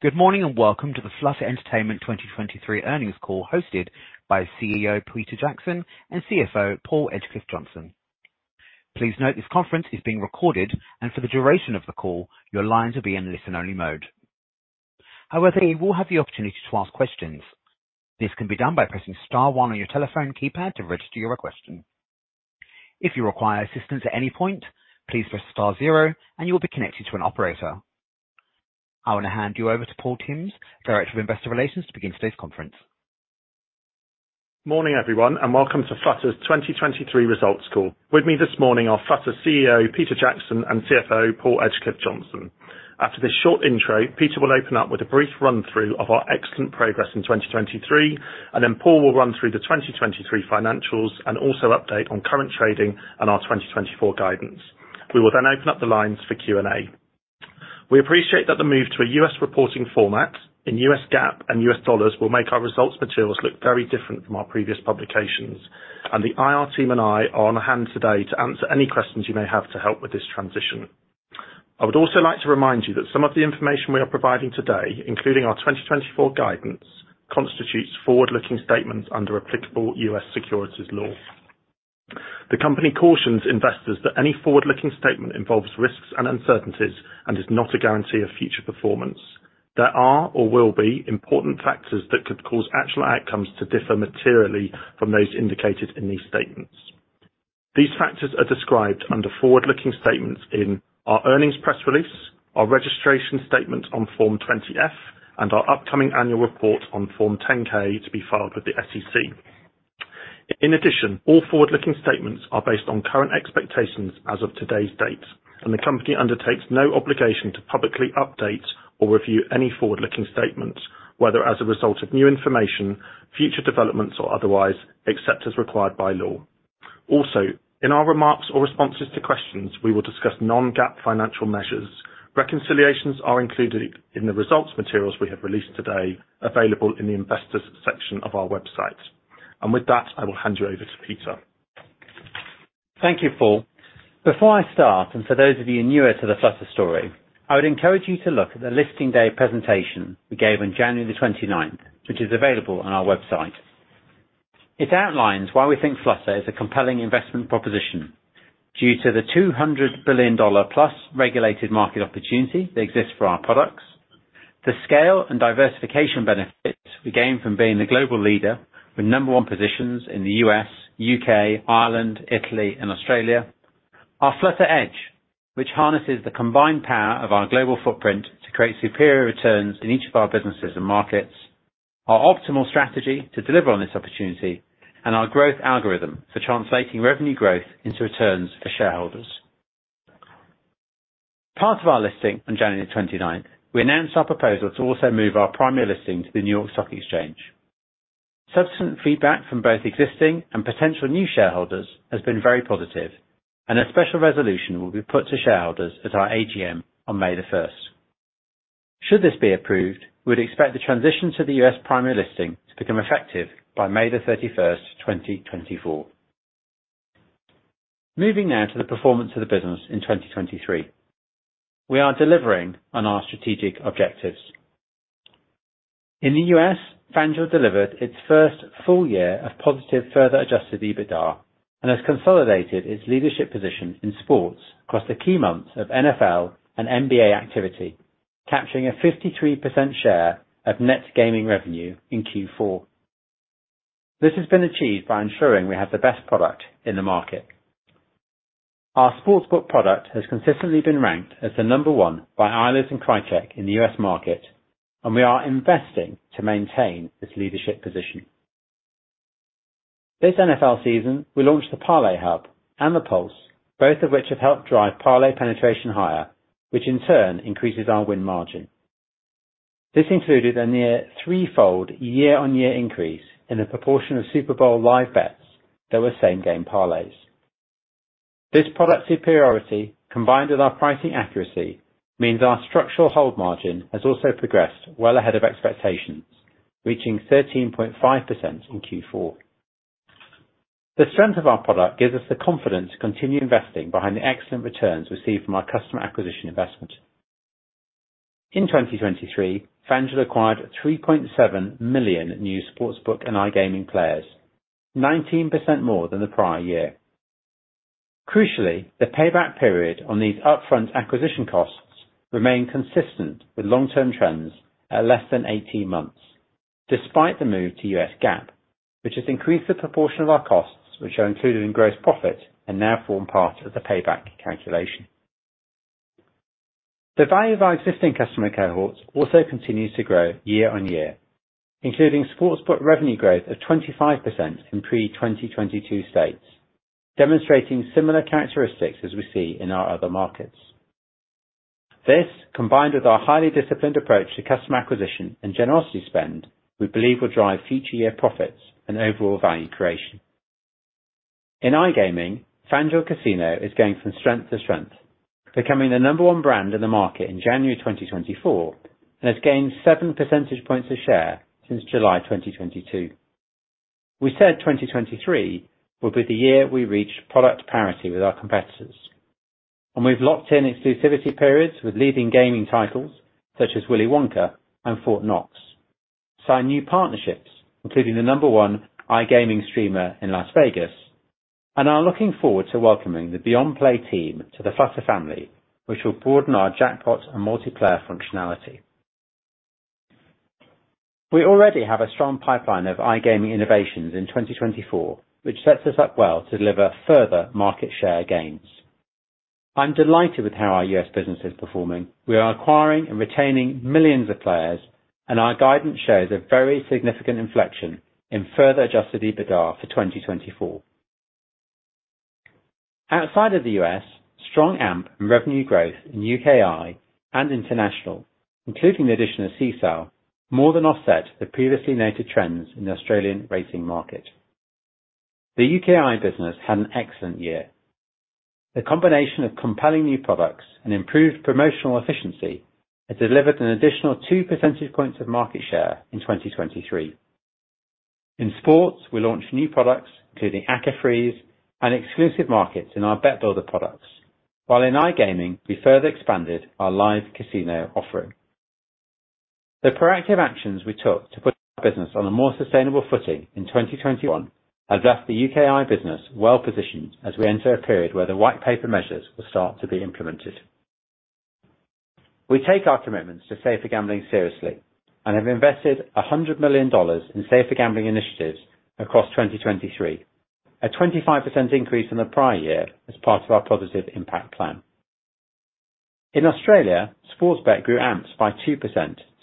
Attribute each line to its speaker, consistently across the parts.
Speaker 1: Good morning, and welcome to the Flutter Entertainment 2023 earnings call, hosted by CEO Peter Jackson and CFO Paul Edgecliffe-Johnson. Please note, this conference is being recorded, and for the duration of the call, your lines will be in listen-only mode. However, you will have the opportunity to ask questions. This can be done by pressing star one on your telephone keypad to register your question. If you require assistance at any point, please press star zero, and you will be connected to an operator. I want to hand you over to Paul Timms, Director of Investor Relations, to begin today's conference.
Speaker 2: Morning, everyone, and welcome to Flutter's 2023 results call. With me this morning are Flutter's CEO, Peter Jackson, and CFO, Paul Edgecliffe-Johnson. After this short intro, Peter will open up with a brief run-through of our excellent progress in 2023, and then Paul will run through the 2023 financials and also update on current trading and our 2024 guidance. We will then open up the lines for Q&A. We appreciate that the move to a U.S. reporting format in U.S. GAAP and U.S. dollars will make our results materials look very different from our previous publications, and the IR team and I are on hand today to answer any questions you may have to help with this transition. I would also like to remind you that some of the information we are providing today, including our 2024 guidance, constitutes forward-looking statements under applicable US securities law. The company cautions investors that any forward-looking statement involves risks and uncertainties and is not a guarantee of future performance. There are or will be important factors that could cause actual outcomes to differ materially from those indicated in these statements. These factors are described under Forward-Looking Statements in our Earnings press release, our registration statement on Form 20-F, and our upcoming annual report on Form 10-K, to be filed with the SEC. In addition, all forward-looking statements are based on current expectations as of today's date, and the company undertakes no obligation to publicly update or review any forward-looking statements, whether as a result of new information, future developments, or otherwise, except as required by law. Also, in our remarks or responses to questions, we will discuss non-GAAP financial measures. Reconciliations are included in the results materials we have released today, available in the Investors section of our website. With that, I will hand you over to Peter.
Speaker 3: Thank you, Paul. Before I start, and for those of you newer to the Flutter story, I would encourage you to look at the listing day presentation we gave on January 29, which is available on our website. It outlines why we think Flutter is a compelling investment proposition due to the $200 billion+ regulated market opportunity that exists for our products, the scale and diversification benefits we gain from being the global leader with number one positions in the U.S., U.K., Ireland, Italy, and Australia. Our Flutter Edge, which harnesses the combined power of our global footprint to create superior returns in each of our businesses and markets, our optimal strategy to deliver on this opportunity, and our growth algorithm for translating revenue growth into returns for shareholders. Part of our listing on January 29, we announced our proposal to also move our primary listing to the New York Stock Exchange. Subsequent feedback from both existing and potential new shareholders has been very positive, and a special resolution will be put to shareholders at our AGM on May 1. Should this be approved, we'd expect the transition to the US primary listing to become effective by May 31, 2024. Moving now to the performance of the business in 2023. We are delivering on our strategic objectives. In the U.S., FanDuel delivered its first full year of positive Further Adjusted EBITDA and has consolidated its leadership position in sports across the key months of NFL and NBA activity, capturing a 53% share of net gaming revenue in Q4. This has been achieved by ensuring we have the best product in the market. Our sportsbook product has consistently been ranked as the number one by Eilers & Krejcik in the US market, and we are investing to maintain this leadership position. This NFL season, we launched the Parlay Hub and The Pulse, both of which have helped drive parlay penetration higher, which in turn increases our win margin. This included a near threefold year-on-year increase in the proportion of Super Bowl live bets that were same-game parlays. This product superiority, combined with our pricing accuracy, means our structural hold margin has also progressed well ahead of expectations, reaching 13.5% in Q4. The strength of our product gives us the confidence to continue investing behind the excellent returns received from our customer acquisition investment. In 2023, FanDuel acquired 3.7 million new sportsbook and iGaming players, 19% more than the prior year. Crucially, the payback period on these upfront acquisition costs remained consistent with long-term trends at less than 18 months, despite the move to US GAAP, which has increased the proportion of our costs, which are included in gross profit and now form part of the payback calculation. The value of our existing customer cohorts also continues to grow year on year, including sportsbook revenue growth of 25% in pre-2022 states, demonstrating similar characteristics as we see in our other markets. This, combined with our highly disciplined approach to customer acquisition and generosity spend, we believe will drive future year profits and overall value creation. In iGaming, FanDuel Casino is going from strength to strength, becoming the number one brand in the market in January 2024, and has gained 7 percentage points of share since July 2022.... We said 2023 would be the year we reached product parity with our competitors, and we've locked in exclusivity periods with leading gaming titles such as Willy Wonka and Fort Knox. Sign new partnerships, including the number one iGaming streamer in Las Vegas, and are looking forward to welcoming the BeyondPlay team to the Flutter family, which will broaden our jackpot and multiplayer functionality. We already have a strong pipeline of iGaming innovations in 2024, which sets us up well to deliver further market share gains. I'm delighted with how our U.S. business is performing. We are acquiring and retaining millions of players, and our guidance shows a very significant inflection in Further Adjusted EBITDA for 2024. Outside of the U.S., strong AMP and revenue growth in UKI and international, including the addition of Sisal, more than offset the previously noted trends in the Australian racing market. The UKI business had an excellent year. The combination of compelling new products and improved promotional efficiency has delivered an additional 2 percentage points of market share in 2023. In sports, we launched new products, including Acca Freeze and exclusive markets in our Bet Builder products, while in iGaming, we further expanded our live casino offering. The proactive actions we took to put our business on a more sustainable footing in 2021 have left the UKI business well positioned as we enter a period where the White Paper measures will start to be implemented. We take our commitments to safer gambling seriously and have invested $100 million in safer gambling initiatives across 2023, a 25% increase from the prior year as part of our positive impact plan. In Australia, Sportsbet grew AMPs by 2%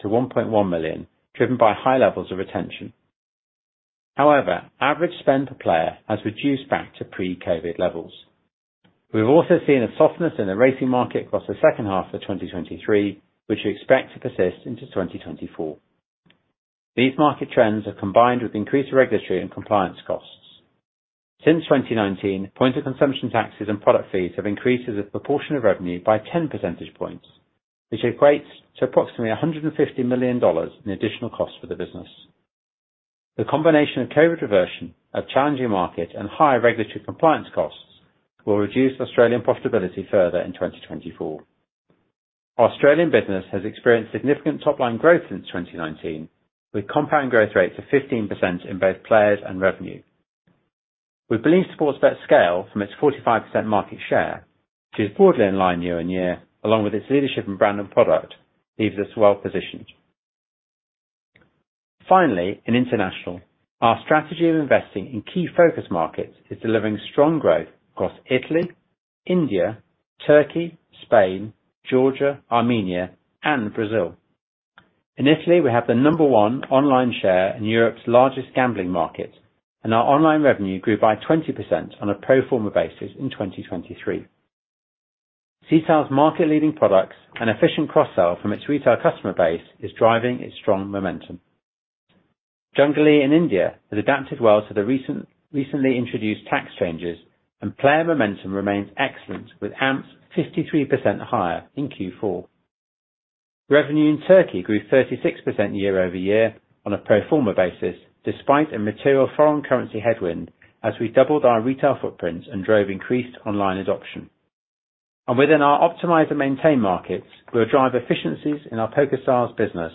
Speaker 3: to 1.1 million, driven by high levels of retention. However, average spend per player has reduced back to pre-COVID levels. We've also seen a softness in the racing market across the second half of 2023, which we expect to persist into 2024. These market trends have combined with increased regulatory and compliance costs. Since 2019, point of consumption taxes and product fees have increased as a proportion of revenue by 10 percentage points, which equates to approximately $150 million in additional costs for the business. The combination of COVID reversion, a challenging market, and higher regulatory compliance costs will reduce Australian profitability further in 2024. Australian business has experienced significant top-line growth since 2019, with compound growth rates of 15% in both players and revenue. We believe Sportsbet's scale from its 45% market share, which is broadly in line year-on-year, along with its leadership in brand and product, leaves us well positioned. Finally, in international, our strategy of investing in key focus markets is delivering strong growth across Italy, India, Turkey, Spain, Georgia, Armenia, and Brazil. In Italy, we have the number one online share in Europe's largest gambling market, and our online revenue grew by 20% on a pro forma basis in 2023. Sisal's market-leading products and efficient cross-sell from its retail customer base is driving its strong momentum. Junglee in India has adapted well to the recent, recently introduced tax changes, and player momentum remains excellent, with AMPs 53% higher in Q4. Revenue in Turkey grew 36% year-over-year on a pro forma basis, despite a material foreign currency headwind as we doubled our retail footprint and drove increased online adoption. And within our optimize and maintain markets, we'll drive efficiencies in our PokerStars business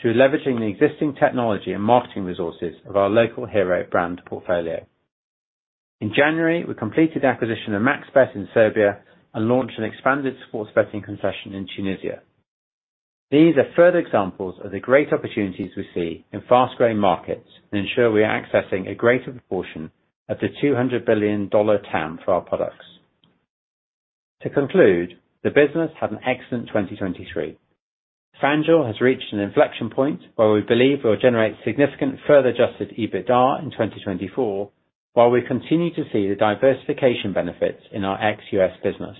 Speaker 3: through leveraging the existing technology and marketing resources of our local hero brand portfolio. In January, we completed the acquisition of MaxBet in Serbia and launched an expanded sports betting concession in Tunisia. These are further examples of the great opportunities we see in fast-growing markets and ensure we are accessing a greater proportion of the $200 billion TAM for our products. To conclude, the business had an excellent 2023. FanDuel has reached an inflection point where we believe we'll generate significant Further Adjusted EBITDA in 2024, while we continue to see the diversification benefits in our ex-US business.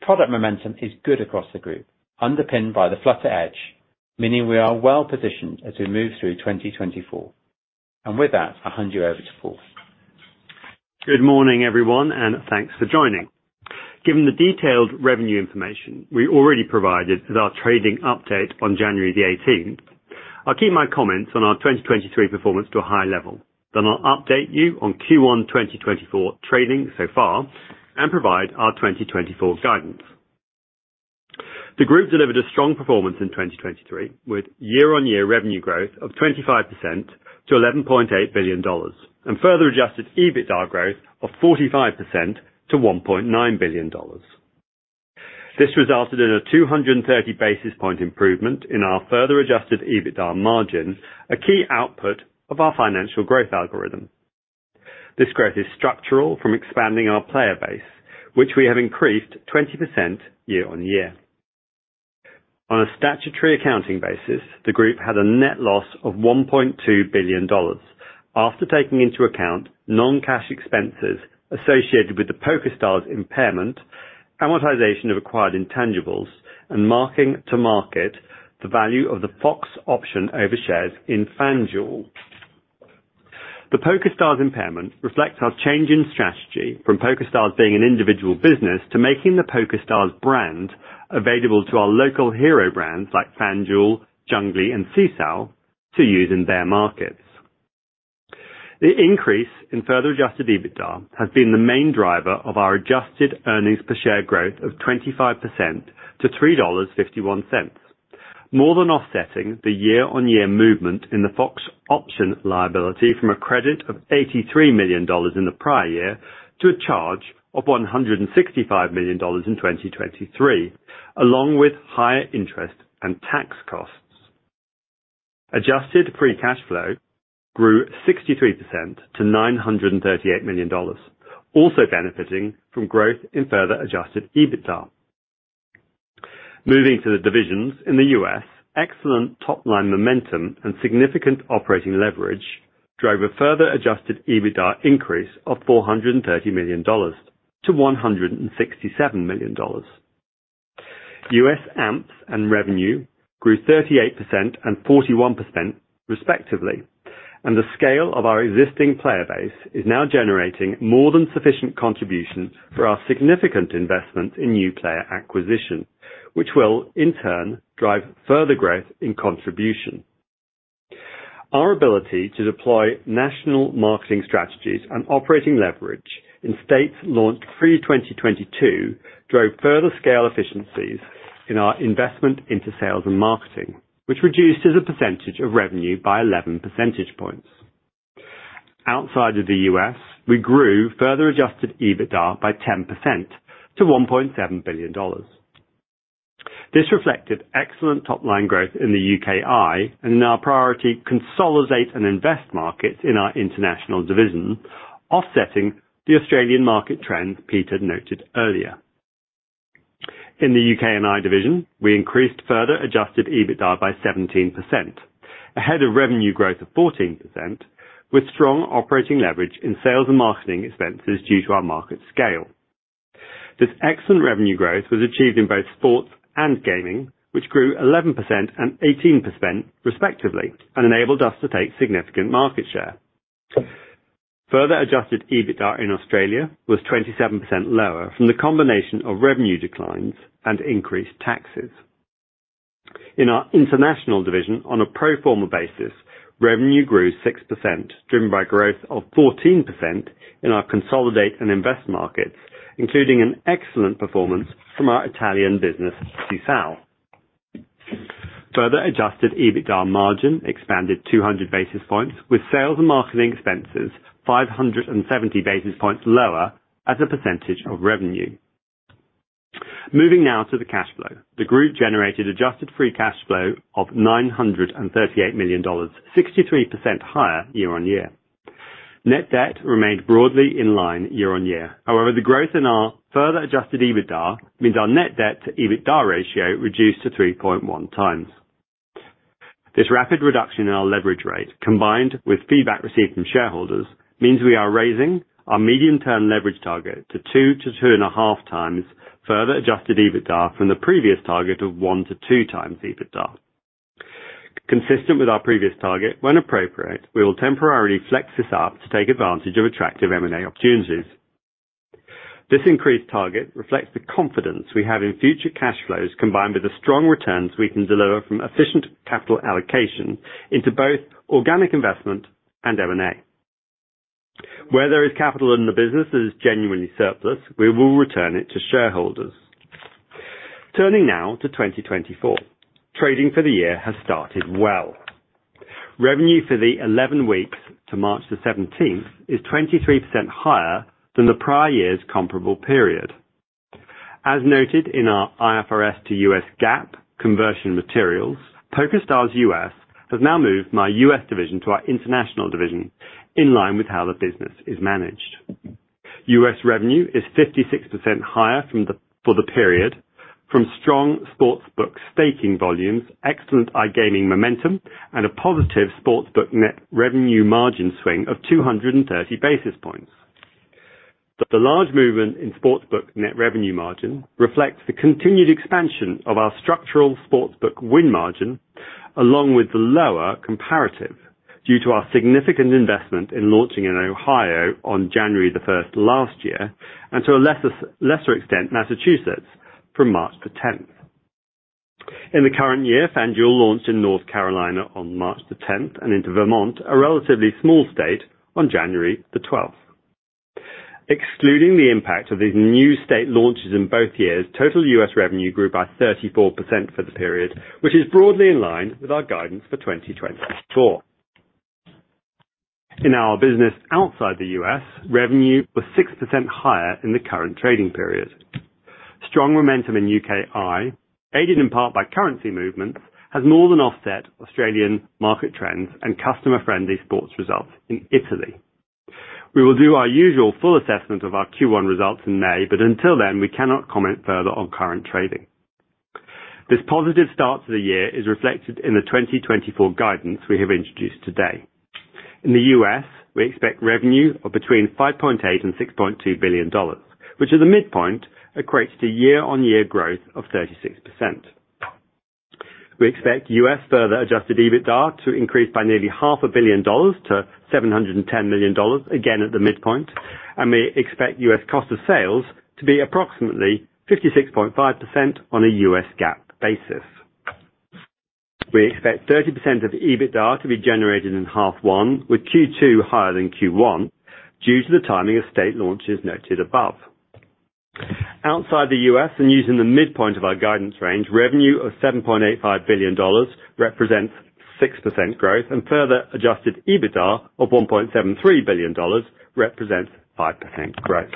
Speaker 3: Product momentum is good across the group, underpinned by the Flutter Edge, meaning we are well positioned as we move through 2024. And with that, I'll hand you over to Paul.
Speaker 4: Good morning, everyone, and thanks for joining. Given the detailed revenue information we already provided with our trading update on January 18, I'll keep my comments on our 2023 performance to a high level. Then I'll update you on Q1 2024 trading so far and provide our 2024 guidance. The group delivered a strong performance in 2023, with year-on-year revenue growth of 25% to $11.8 billion, and Further Adjusted EBITDA growth of 45% to $1.9 billion. This resulted in a 230 basis point improvement in our Further Adjusted EBITDA margin, a key output of our financial growth algorithm. This growth is structural from expanding our player base, which we have increased 20% year-on-year. On a statutory accounting basis, the group had a net loss of $1.2 billion after taking into account non-cash expenses associated with the PokerStars impairment, amortization of acquired intangibles, and marking to market the value of the Fox option over shares in FanDuel. The PokerStars impairment reflects our change in strategy from PokerStars being an individual business to making the PokerStars brand available to our local hero brands like FanDuel, Junglee, and Sisal to use in their markets.... The increase in Further Adjusted EBITDA has been the main driver of our Adjusted Earnings Per Share growth of 25% to $3.51, more than offsetting the year-on-year movement in the Fox option liability from a credit of $83 million in the prior year to a charge of $165 million in 2023, along with higher interest and tax costs. Adjusted free cash flow grew 63% to $938 million, also benefiting from growth in further Adjusted EBITDA. Moving to the divisions in the U.S., excellent top-line momentum and significant operating leverage drove a further Adjusted EBITDA increase of $430 million-$167 million. US AMPs and revenue grew 38% and 41% respectively, and the scale of our existing player base is now generating more than sufficient contribution for our significant investment in new player acquisition, which will in turn drive further growth in contribution. Our ability to deploy national marketing strategies and operating leverage in states launched pre-2022 drove further scale efficiencies in our investment into sales and marketing, which reduced as a percentage of revenue by 11 percentage points. Outside of the US, we grew Further Adjusted EBITDA by 10% to $1.7 billion. This reflected excellent top-line growth in the UKI and in our priority consolidate and invest markets in our international division, offsetting the Australian market trends Peter noted earlier. In the UK&I division, we increased Further Adjusted EBITDA by 17%, ahead of revenue growth of 14%, with strong operating leverage in sales and marketing expenses due to our market scale. This excellent revenue growth was achieved in both sports and gaming, which grew 11% and 18% respectively, and enabled us to take significant market share. Further Adjusted EBITDA in Australia was 27% lower from the combination of revenue declines and increased taxes. In our international division, on a pro forma basis, revenue grew 6%, driven by growth of 14% in our consolidated and invest markets, including an excellent performance from our Italian business, Sisal. Further Adjusted EBITDA margin expanded 200 basis points, with sales and marketing expenses 570 basis points lower as a percentage of revenue. Moving now to the cash flow. The group generated adjusted free cash flow of $938 million, 63% higher year-on-year. Net debt remained broadly in line year-on-year. However, the growth in our Further Adjusted EBITDA means our net debt to EBITDA ratio reduced to 3.1x. This rapid reduction in our leverage rate, combined with feedback received from shareholders, means we are raising our medium-term leverage target to two times to 2.5x Further Adjusted EBITDA from the previous target of one to two times EBITDA. Consistent with our previous target, when appropriate, we will temporarily flex this up to take advantage of attractive M&A opportunities. This increased target reflects the confidence we have in future cash flows, combined with the strong returns we can deliver from efficient capital allocation into both organic investment and M&A. Where there is capital in the business that is genuinely surplus, we will return it to shareholders. Turning now to 2024. Trading for the year has started well. Revenue for the 11 weeks to March 17 is 23% higher than the prior year's comparable period. As noted in our IFRS to US GAAP conversion materials, PokerStars US has now moved from our US division to our international division, in line with how the business is managed. US revenue is 56% higher for the period, from strong sportsbook staking volumes, excellent iGaming momentum, and a positive sportsbook net revenue margin swing of 230 basis points. The large movement in sportsbook net revenue margin reflects the continued expansion of our structural sportsbook win margin, along with the lower comparative, due to our significant investment in launching in Ohio on January 1 last year, and to a lesser extent, Massachusetts, from March 10. In the current year, FanDuel launched in North Carolina on March 10 and into Vermont, a relatively small state, on January 12. Excluding the impact of these new state launches in both years, total US revenue grew by 34% for the period, which is broadly in line with our guidance for 2024. In our business outside the U.S., revenue was 6% higher in the current trading period. Strong momentum in UKI, aided in part by currency movements, has more than offset Australian market trends and customer-friendly sports results in Italy. We will do our usual full assessment of our Q1 results in May, but until then, we cannot comment further on current trading. This positive start to the year is reflected in the 2024 guidance we have introduced today. In the US, we expect revenue of between $5.8 billion and $6.2 billion, which at the midpoint equates to year-on-year growth of 36%. We expect US further adjusted EBITDA to increase by nearly $500 million-710 million, again at the midpoint, and we expect US cost of sales to be approximately 56.5% on a US GAAP basis. We expect 30% of EBITDA to be generated in half one, with Q2 higher than Q1, due to the timing of state launches noted above. Outside the U.S., and using the midpoint of our guidance range, revenue of $7.85 billion represents 6% growth, and further adjusted EBITDA of $1.73 billion represents 5% growth.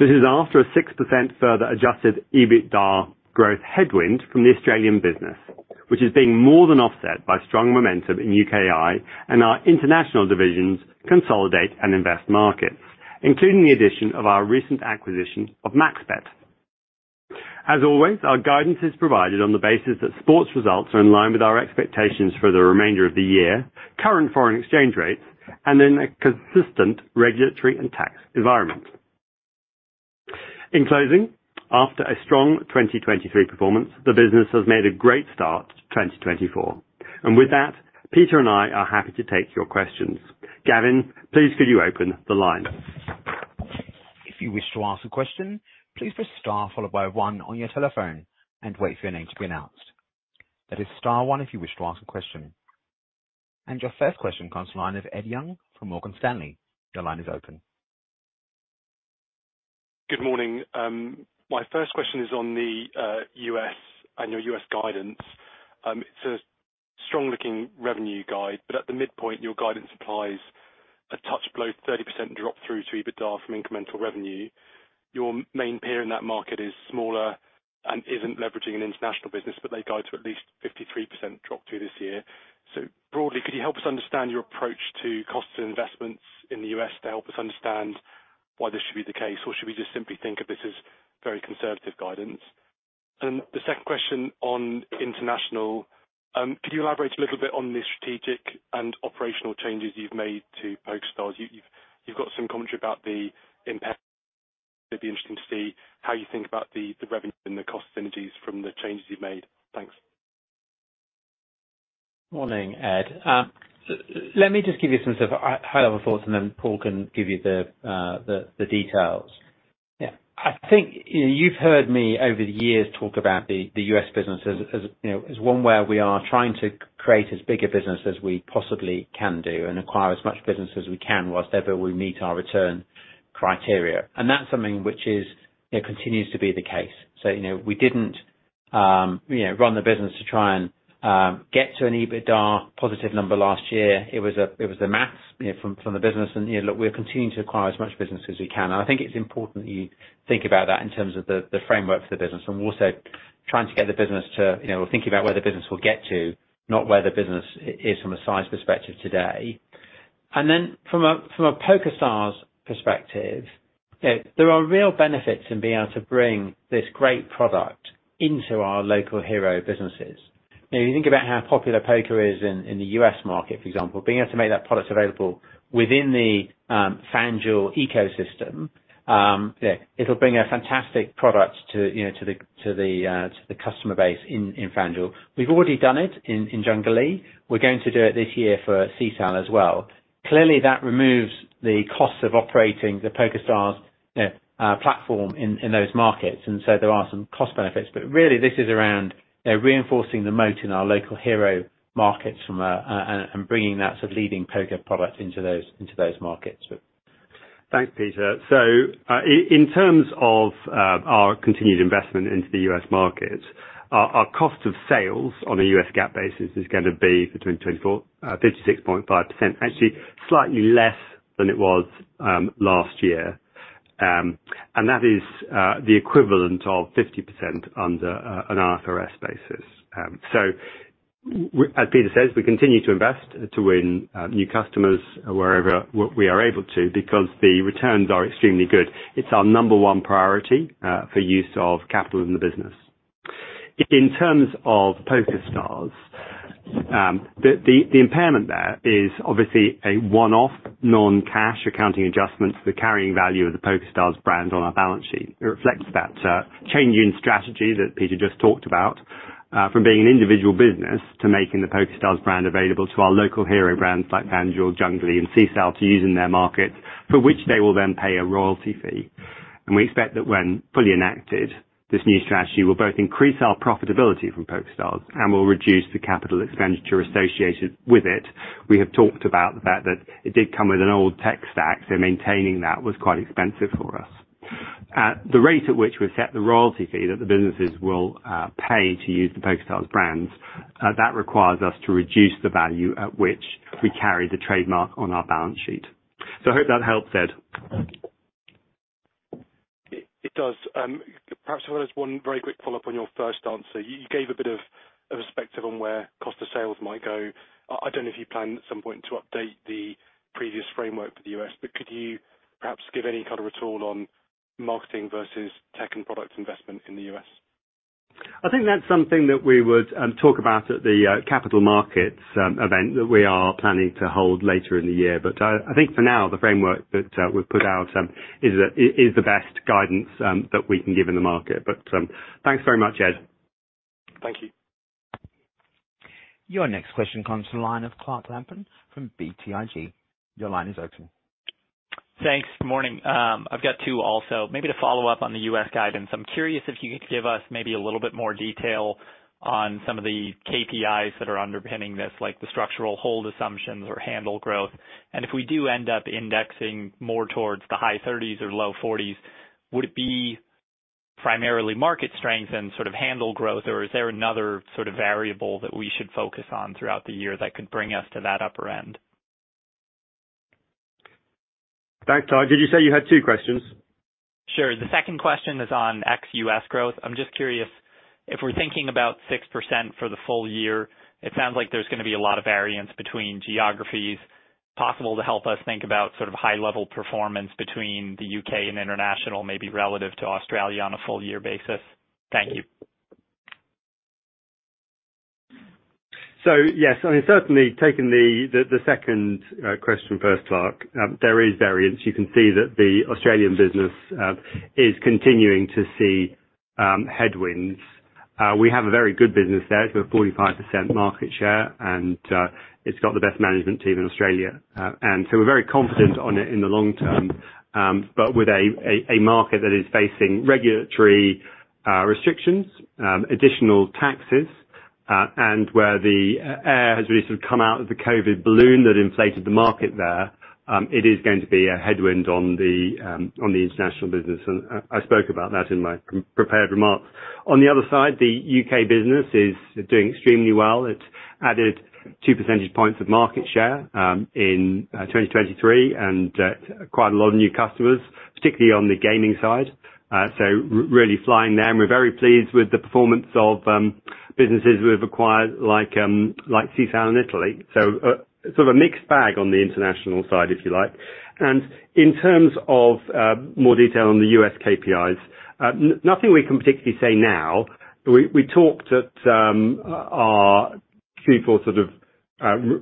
Speaker 4: This is after a 6% Further Adjusted EBITDA growth headwind from the Australian business, which is being more than offset by strong momentum in UKI and our international divisions consolidate and invest markets, including the addition of our recent acquisition of MaxBet. As always, our guidance is provided on the basis that sports results are in line with our expectations for the remainder of the year, current foreign exchange rates, and in a consistent regulatory and tax environment. In closing, after a strong 2023 performance, the business has made a great start to 2024. And with that, Peter and I are happy to take your questions. Gavin, please could you open the line?
Speaker 1: If you wish to ask a question, please press star followed by one on your telephone and wait for your name to be announced. That is star one if you wish to ask a question. And your first question comes to line of Ed Young from Morgan Stanley. Your line is open.
Speaker 5: Good morning. My first question is on the US annual US guidance. It's a strong-looking revenue guide, but at the midpoint, your guidance applies a touch below 30% drop through to EBITDA from incremental revenue. Your main peer in that market is smaller and isn't leveraging an international business, but they guide to at least 53% drop through this year. So broadly, could you help us understand your approach to cost and investments in the U.S. to help us understand why this should be the case? Or should we just simply think of this as very conservative guidance? And the second question on international, could you elaborate a little bit on the strategic and operational changes you've made to PokerStars? You've got some commentary about the impact. It'd be interesting to see how you think about the revenue and the cost synergies from the changes you've made. Thanks.
Speaker 3: Morning, Ed. Let me just give you some sort of high level thoughts, and then Paul can give you the details. Yeah, I think you've heard me over the years talk about the US business as, you know, as one where we are trying to create as big a business as we possibly can do and acquire as much business as we can, whilst ever we meet our return criteria. And that's something which is, you know, continues to be the case. So, you know, we didn't run the business to try and get to an EBITDA positive number last year. It was a max, you know, from the business, and, you know, look, we're continuing to acquire as much business as we can. And I think it's important that you think about that in terms of the framework for the business, and we're also trying to get the business to, you know, thinking about where the business will get to, not where the business is from a size perspective today. And then from a PokerStars perspective, you know, there are real benefits in being able to bring this great product into our local hero businesses. Now, you think about how popular poker is in the U.S. market, for example, being able to make that product available within the FanDuel ecosystem, yeah, it'll bring a fantastic product to, you know, to the customer base in FanDuel. We've already done it in Junglee. We're going to do it this year for Sisal as well. Clearly, that removes the cost of operating the PokerStars platform in those markets, and so there are some cost benefits. But really, this is around, you know, reinforcing the moat in our local hero markets and bringing that sort of leading poker product into those markets.
Speaker 4: Thanks, Peter. So, in terms of our continued investment into the US market, our cost of sales on a US GAAP basis is going to be between 24%-56.5%, actually slightly less than it was last year. And that is the equivalent of 50% under an IFRS basis. So as Peter says, we continue to invest to win new customers wherever we are able to, because the returns are extremely good. It's our number one priority for use of capital in the business. In terms of PokerStars, the impairment there is obviously a one-off, non-cash accounting adjustment to the carrying value of the PokerStars brand on our balance sheet. It reflects that change in strategy that Peter just talked about, from being an individual business to making the PokerStars brand available to our local hero brands like FanDuel, Junglee, and Sisal to use in their markets, for which they will then pay a royalty fee. And we expect that when fully enacted, this new strategy will both increase our profitability from PokerStars and will reduce the capital expenditure associated with it. We have talked about the fact that it did come with an old tech stack, so maintaining that was quite expensive for us. At the rate at which we've set the royalty fee that the businesses will pay to use the PokerStars brand, that requires us to reduce the value at which we carry the trademark on our balance sheet. So I hope that helps, Ed.
Speaker 5: It does. Perhaps, well, just one very quick follow-up on your first answer. You gave a bit of a perspective on where Cost of Sales might go. I don't know if you plan at some point to update the previous framework for the US, but could you perhaps give any color at all on marketing versus tech and product investment in the US?
Speaker 4: I think that's something that we would talk about at the capital markets event that we are planning to hold later in the year. But I think for now, the framework that we've put out is the best guidance that we can give in the market. But thanks very much, Ed.
Speaker 5: Thank you....
Speaker 1: Your next question comes from the line of Clark Lampen from BTIG. Your line is open.
Speaker 6: Thanks. Good morning. I've got two also. Maybe to follow up on the U.S. guidance. I'm curious if you could give us maybe a little bit more detail on some of the KPIs that are underpinning this, like the structural hold assumptions or handle growth. If we do end up indexing more towards the high thirties or low forties, would it be primarily market strength and sort of handle growth? Or is there another sort of variable that we should focus on throughout the year that could bring us to that upper end?
Speaker 4: Thanks, Clark. Did you say you had two questions?
Speaker 6: Sure. The second question is on ex-US growth. I'm just curious, if we're thinking about 6% for the full year, it sounds like there's going to be a lot of variance between geographies. Possible to help us think about sort of high-level performance between the U.K. and international, maybe relative to Australia on a full year basis? Thank you.
Speaker 4: So, yes, I mean, certainly taking the second question first, Clark, there is variance. You can see that the Australian business is continuing to see headwinds. We have a very good business there. It's a 45% market share, and it's got the best management team in Australia. And so we're very confident on it in the long term, but with a market that is facing regulatory restrictions, additional taxes, and where the air has really sort of come out of the COVID balloon that inflated the market there, it is going to be a headwind on the international business. And I spoke about that in my prepared remarks. On the other side, the U.K. business is doing extremely well. It added 2 percentage points of market share in 2023, and quite a lot of new customers, particularly on the gaming side. So really flying there, and we're very pleased with the performance of businesses we've acquired, like Sisal in Italy. So sort of a mixed bag on the international side, if you like. And in terms of more detail on the US KPIs, nothing we can particularly say now, but we talked at our Q4 sort of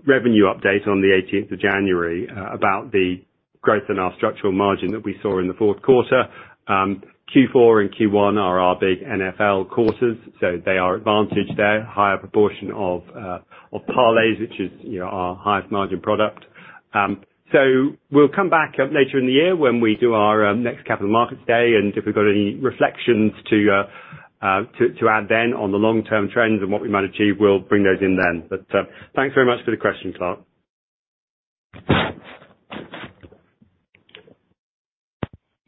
Speaker 4: revenue update on the eighteenth of January about the growth in our structural margin that we saw in the fourth quarter. Q4 and Q1 are our big NFL quarters, so they are advantaged there, higher proportion of parlays, which is, you know, our highest margin product. So we'll come back up later in the year when we do our next Capital Markets Day, and if we've got any reflections to add then on the long-term trends and what we might achieve, we'll bring those in then. But, thanks very much for the question, Clark.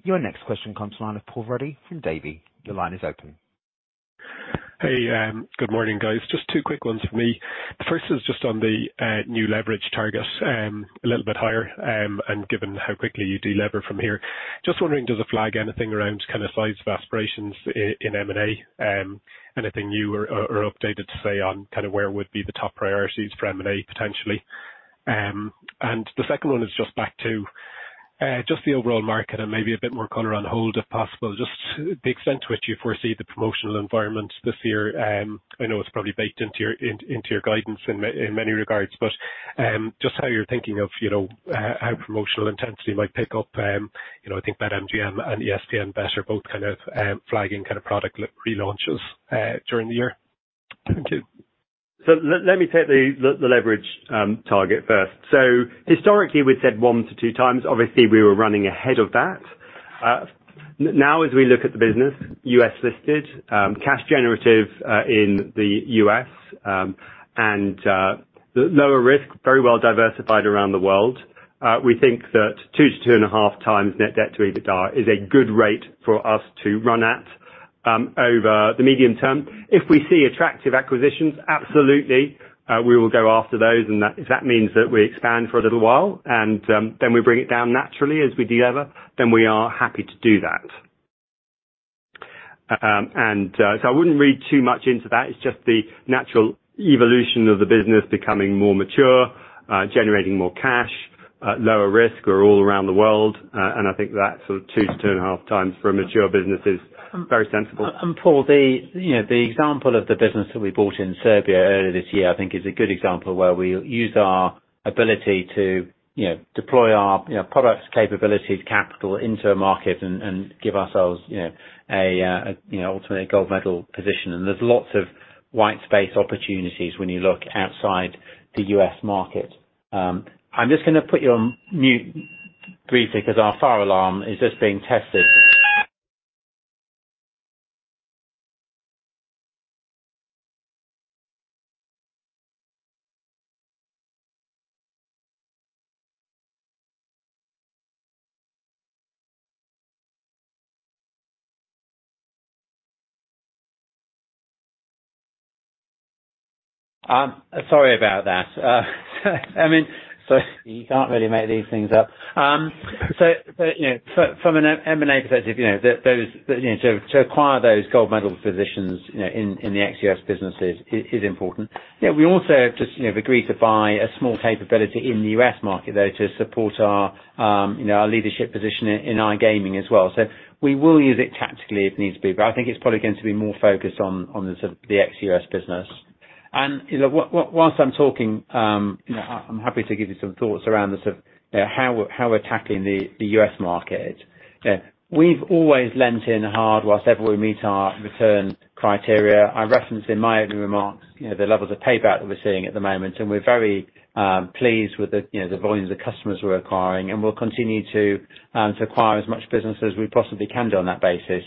Speaker 1: Your next question comes from the line of Paul Ruddy from Davy. Your line is open.
Speaker 7: Hey, good morning, guys. Just two quick ones from me. The first is just on the new leverage target, a little bit higher, and given how quickly you delever from here. Just wondering, does it flag anything around kind of size of aspirations in M&A? Anything new or updated to say on kind of where would be the top priorities for M&A, potentially. And the second one is just back to just the overall market and maybe a bit more color on hold, if possible, just the extent to which you foresee the promotional environment this year. I know it's probably baked into your guidance in many regards, but just how you're thinking of, you know, how promotional intensity might pick up. You know, I think BetMGM and ESPN BET are both kind of flagging kind of product re-launches during the year. Thank you.
Speaker 4: So let me take the leverage target first. So historically, we've said one to two times. Obviously, we were running ahead of that. Now, as we look at the business, U.S. listed, cash generative, in the U.S., and the lower risk, very well diversified around the world, we think that two to 2.5x net debt to EBITDA is a good rate for us to run at, over the medium term. If we see attractive acquisitions, absolutely, we will go after those, and that, if that means that we expand for a little while, and then we bring it down naturally as we delever, then we are happy to do that. So I wouldn't read too much into that. It's just the natural evolution of the business becoming more mature, generating more cash, lower risk. We're all around the world, and I think that sort of two to 2.5x for a mature business is very sensible.
Speaker 3: And Paul, you know, the example of the business that we bought in Serbia earlier this year, I think is a good example where we use our ability to, you know, deploy our, you know, products, capabilities, capital into a market and give ourselves, you know, a, you know, ultimately a gold medal position. And there's lots of white space opportunities when you look outside the US market. I'm just gonna put you on mute briefly because our fire alarm is just being tested. Sorry about that. I mean, so you can't really make these things up. So, but, you know, from an M&A perspective, you know, those, you know, to acquire those gold medal positions, you know, in the ex-US businesses is important. Yeah, we also have just, you know, agreed to buy a small capability in the US market, though, to support our, you know, our leadership position in iGaming as well. So we will use it tactically if needs be, but I think it's probably going to be more focused on, on the sort of, the ex-U.S. business.... And, you know, whilst I'm talking, you know, I, I'm happy to give you some thoughts around the sort of, yeah, how we're, how we're tackling the, the US market. Yeah, we've always leaned in hard whilst ever we meet our return criteria. I referenced in my opening remarks, you know, the levels of payout that we're seeing at the moment, and we're very pleased with the, you know, the volumes of customers we're acquiring, and we'll continue to acquire as much business as we possibly can do on that basis.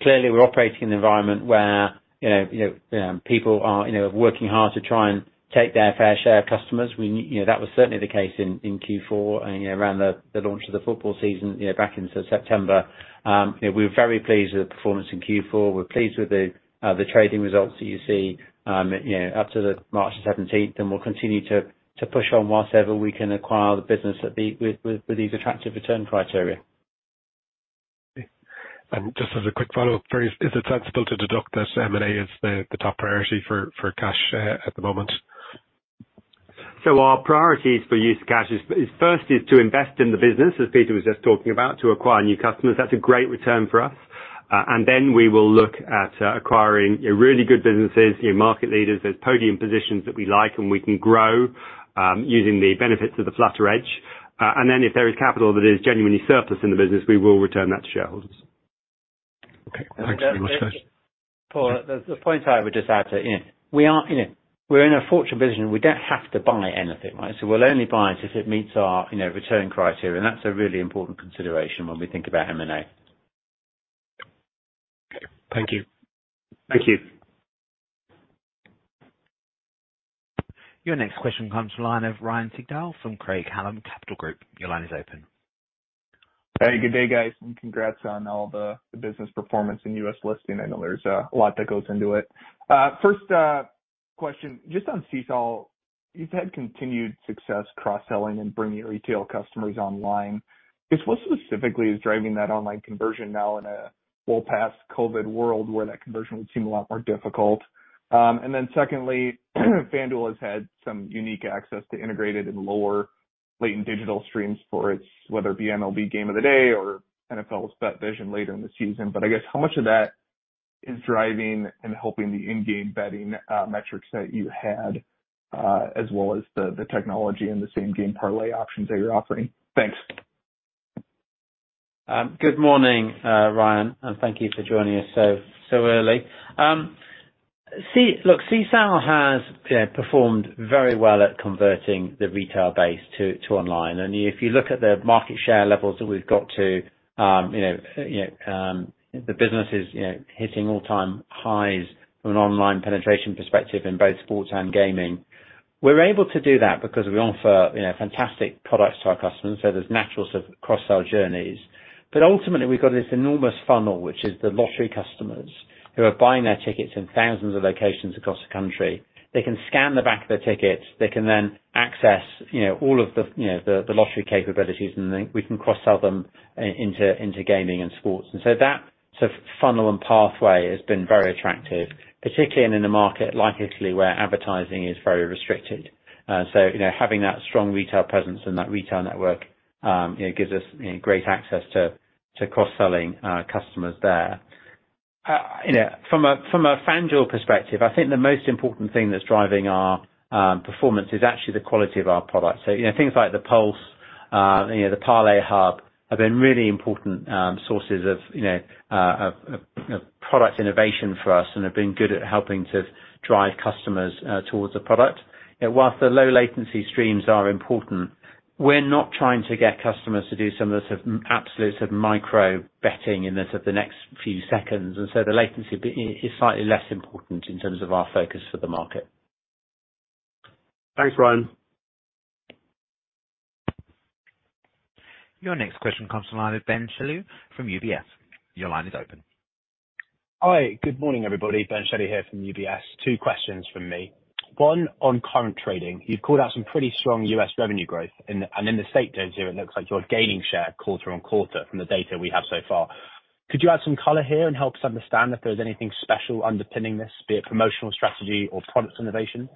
Speaker 3: Clearly, we're operating in an environment where, you know, you know, people are, you know, working hard to try and take their fair share of customers. We, you know, that was certainly the case in Q4 and, you know, around the launch of the football season, you know, back in September. You know, we're very pleased with the performance in Q4. We're pleased with the trading results that you see, you know, up to the March seventeenth, and we'll continue to push on whatsoever we can acquire the business at the with these attractive return criteria.
Speaker 7: Just as a quick follow-up first, is it sensible to deduct that M&A is the top priority for cash at the moment?
Speaker 4: So our priorities for use of cash is firstly to invest in the business, as Peter was just talking about, to acquire new customers. That's a great return for us. And then we will look at acquiring really good businesses, you know, market leaders, there's podium positions that we like and we can grow using the benefits of the Flutter edge. And then if there is capital that is genuinely surplus in the business, we will return that to shareholders.
Speaker 7: Okay, thanks very much guys.
Speaker 3: Paul, the point I would just add to, you know, we are, you know, we're in a fortunate position. We don't have to buy anything, right? So we'll only buy it if it meets our, you know, return criteria, and that's a really important consideration when we think about M&A.
Speaker 7: Thank you.
Speaker 4: Thank you.
Speaker 1: Your next question comes from the line of Ryan Sigdahl from Craig-Hallum Capital Group. Your line is open.
Speaker 8: Hey, good day, guys, and congrats on all the business performance and US listing. I know there's a lot that goes into it. First question, just on Sisal, you've had continued success cross-selling and bringing retail customers online. I guess, what specifically is driving that online conversion now in a well past COVID world, where that conversion would seem a lot more difficult? And then secondly, FanDuel has had some unique access to integrated and lower latent digital streams for its, whether it be MLB Game of the Day or NFL's Bet Vision later in the season. But I guess, how much of that is driving and helping the in-game betting metrics that you had, as well as the technology and the same-game parlay options that you're offering? Thanks.
Speaker 3: Good morning, Ryan, and thank you for joining us so, so early. Look, Sisal has, you know, performed very well at converting the retail base to online. And if you look at the market share levels that we've got to, you know, you know, the business is, you know, hitting all-time highs from an online penetration perspective in both sports and gaming. We're able to do that because we offer, you know, fantastic products to our customers, so there's natural sort of cross-sell journeys. But ultimately, we've got this enormous funnel, which is the lottery customers who are buying their tickets in thousands of locations across the country. They can scan the back of their tickets, they can then access, you know, all of the, you know, the lottery capabilities, and then we can cross-sell them into, into gaming and sports. And so that sort of funnel and pathway has been very attractive, particularly in a market like Italy, where advertising is very restricted. So, you know, having that strong retail presence and that retail network, you know, gives us, you know, great access to, to cross-selling our customers there. You know, from a, from a FanDuel perspective, I think the most important thing that's driving our performance is actually the quality of our products. So, you know, things like the Pulse, you know, the Parlay Hub, have been really important, sources of, you know, product innovation for us and have been good at helping to drive customers towards the product. You know, while the low latency streams are important, we're not trying to get customers to do some of the sort of absolute sort of micro betting in the sort of the next few seconds, and so the latency is slightly less important in terms of our focus for the market.
Speaker 4: Thanks, Ryan.
Speaker 1: Your next question comes from Ben Chaiken from Mizuho. Your line is open.
Speaker 9: Hi, good morning, everybody. Ben Chaiken here from Mizuho. Two questions from me. One, on current trading, you've called out some pretty strong US revenue growth, and in the state data it looks like you're gaining share quarter on quarter from the data we have so far. Could you add some color here and help us understand if there is anything special underpinning this, be it promotional strategy or product innovation?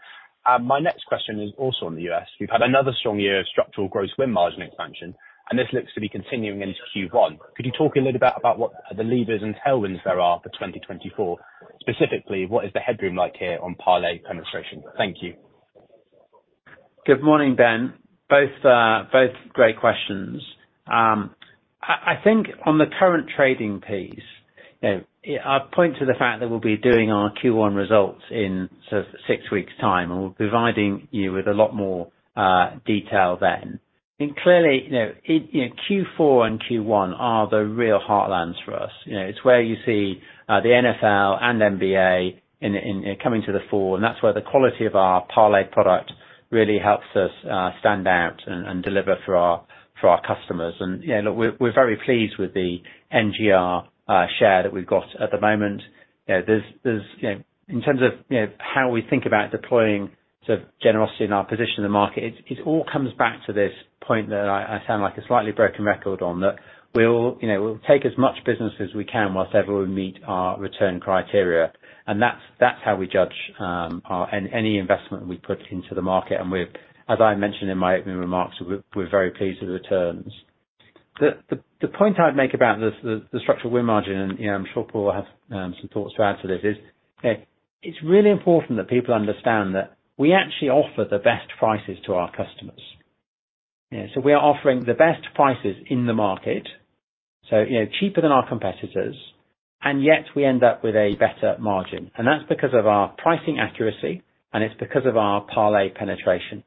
Speaker 9: My next question is also on the U.S. You've had another strong year of structural gross win margin expansion, and this looks to be continuing into Q1. Could you talk a little bit about what the levers and tailwinds there are for 2024? Specifically, what is the headroom like here on parlay penetration? Thank you.
Speaker 3: Good morning, Ben. Both both great questions. I think on the current trading piece, you know, I'd point to the fact that we'll be doing our Q1 results in sort of six weeks' time, and we're providing you with a lot more detail then. And clearly, you know, it, you know, Q4 and Q1 are the real heartlands for us. You know, it's where you see the NFL and NBA coming to the fore, and that's where the quality of our parlay product really helps us stand out and deliver for our customers. And, you know, we're very pleased with the NGR share that we've got at the moment. You know, there's you know... In terms of, you know, how we think about deploying sort of generosity in our position in the market, it all comes back to this point that I sound like a slightly broken record on, that we'll, you know, we'll take as much business as we can whilst we meet our return criteria. And that's how we judge any investment we put into the market, and we're, as I mentioned in my opening remarks, we're very pleased with the returns. The point I'd make about the structural hold margin, and, you know, I'm sure Paul will have some thoughts to add to this, is it's really important that people understand that we actually offer the best prices to our customers. Yeah, so we are offering the best prices in the market, so, you know, cheaper than our competitors, and yet we end up with a better margin. And that's because of our pricing accuracy, and it's because of our parlay penetration.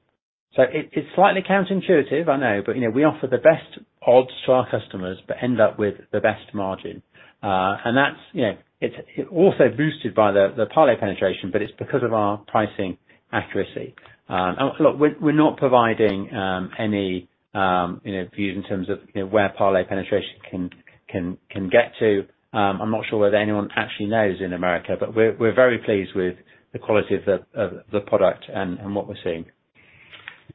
Speaker 3: So it, it's slightly counterintuitive, I know, but, you know, we offer the best odds to our customers, but end up with the best margin. And that's, you know, it's, it also boosted by the, the parlay penetration, but it's because of our pricing accuracy. And look, we're, we're not providing, any, you know, views in terms of, you know, where parlay penetration can, can, can get to. I'm not sure whether anyone actually knows in America, but we're, we're very pleased with the quality of the, of the product and, and what we're seeing.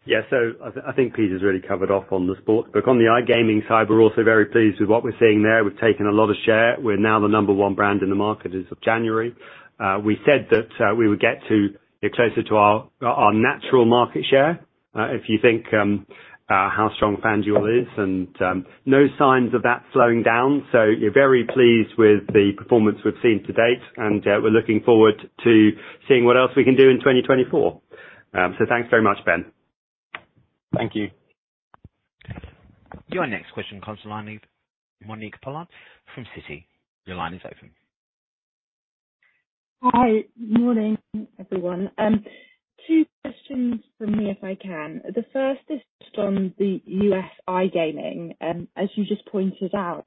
Speaker 4: Yeah. So I, I think Peter's really covered off on the sports book. On the iGaming side, we're also very pleased with what we're seeing there. We've taken a lot of share. We're now the number one brand in the market as of January. We said that we would get to closer to our, our natural market share, if you think how strong FanDuel is, and no signs of that slowing down. So we're very pleased with the performance we've seen to date, and we're looking forward to seeing what else we can do in 2024. So thanks very much, Ben.
Speaker 9: Thank you.
Speaker 1: Your next question comes from line Monique Pollard from Citi. Your line is open.
Speaker 10: Hi. Morning, everyone. Two questions from me, if I can. The first is on the U.S. iGaming, as you just pointed out.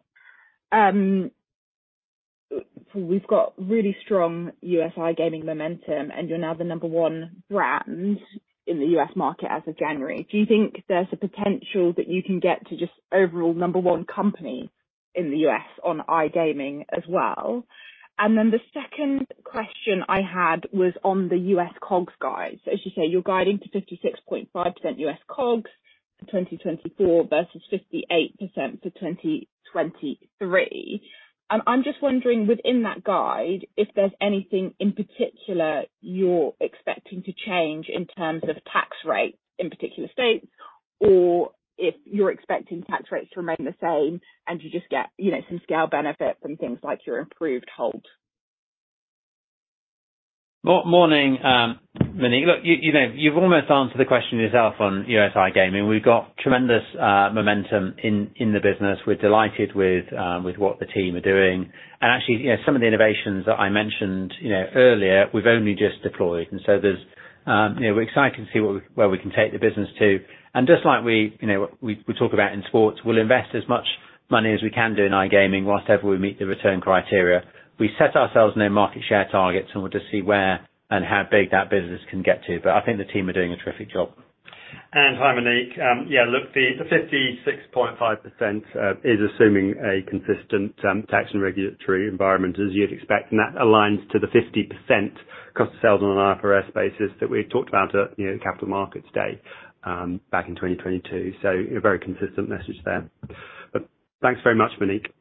Speaker 10: We've got really strong U.S. iGaming momentum, and you're now the number one brand in the U.S. market as of January. Do you think there's a potential that you can get to just overall number one company in the U.S. on iGaming as well? And then the second question I had was on the U.S. COGS guide. So as you say, you're guiding to 56.5% U.S. COGS for 2024 versus 58% for 2023. I'm just wondering, within that guide, if there's anything in particular you're expecting to change in terms of tax rates in particular states, or if you're expecting tax rates to remain the same and you just get, you know, some scale benefits from things like your improved hold?
Speaker 3: Morning, Monique. Look, you know, you've almost answered the question yourself on US iGaming. We've got tremendous momentum in the business. We're delighted with what the team are doing. And actually, you know, some of the innovations that I mentioned, you know, earlier, we've only just deployed. And so there's... You know, we're excited to see where we can take the business to. And just like we, you know, we talk about in sports, we'll invest as much money as we can do in iGaming, whatever we meet the return criteria. We set ourselves no market share targets, and we'll just see where and how big that business can get to, but I think the team are doing a terrific job.
Speaker 4: Hi, Monique. Yeah, look, the 56.5% is assuming a consistent tax and regulatory environment, as you'd expect, and that aligns to the 50% cost of sales on an IFRS basis that we talked about at, you know, Capital Markets Day, back in 2022. So a very consistent message there. But thanks very much, Monique.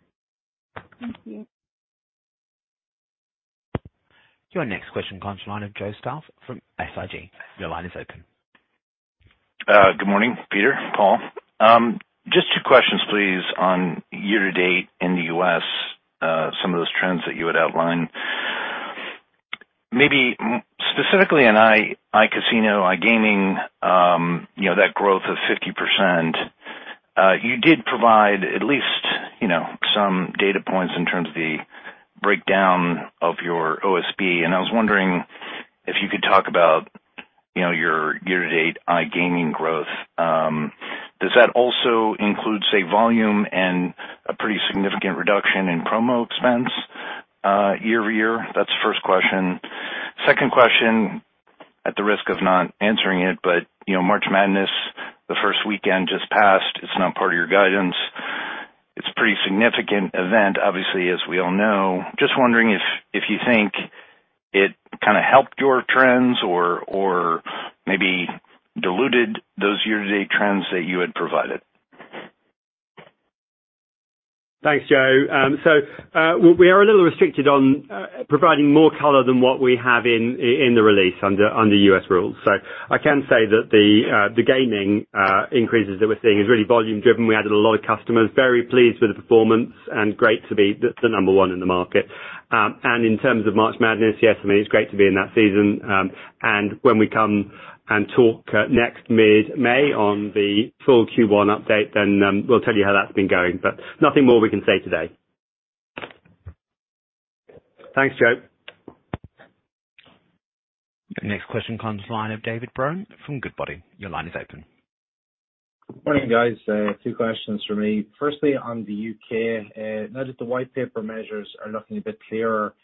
Speaker 10: Thank you.
Speaker 1: Your next question comes from line of Joseph Stauff from Susquehanna Financial Group. Your line is open.
Speaker 11: Good morning, Peter, Paul. Just two questions, please, on year-to-date in the U.S., some of those trends that you had outlined. Maybe specifically in iCasino, iGaming, you know, that growth of 50%, you did provide at least, you know, some data points in terms of the breakdown of your OSB, and I was wondering if you could talk about, you know, your year-to-date iGaming growth. Does that also include, say, volume and a pretty significant reduction in promo expense, year-over-year? That's the first question. Second question, at the risk of not answering it, but, you know, March Madness, the first weekend just passed. It's not part of your guidance. It's a pretty significant event, obviously, as we all know. Just wondering if, if you think it kind of helped your trends or, or maybe diluted those year-to-date trends that you had provided?
Speaker 4: Thanks, Joe. So, we are a little restricted on providing more color than what we have in the release under U.S. rules. So I can say that the gaming increases that we're seeing is really volume driven. We added a lot of customers, very pleased with the performance, and great to be the number one in the market. And in terms of March Madness, yes, I mean, it's great to be in that season. And when we come and talk next mid-May on the full Q1 update, then we'll tell you how that's been going, but nothing more we can say today. Thanks, Joe.
Speaker 1: The next question comes from the line of David Brohan from Goodbody. Your line is open.
Speaker 12: Morning, guys, two questions for me. Firstly, on the U..K, now that the White Paper measures are looking a bit clearer,